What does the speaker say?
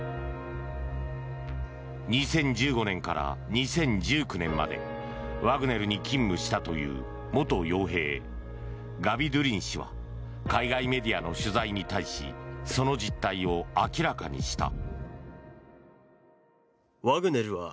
２０１５年から２０１９年までワグネルに勤務したという元傭兵、ガビドゥリン氏は海外メディアの取材に対しその実態を明らかにした。